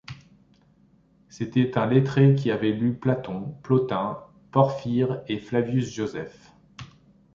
C'était un lettré qui avait lu Platon, Plotin, Porphyre et Flavius Josèphe.